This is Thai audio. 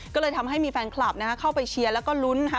ก็เลยทำให้มีแฟนคลับนะฮะเข้าไปเชียร์แล้วก็ลุ้นนะคะ